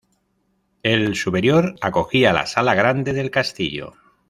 El superior acogía la sala grande del castillo.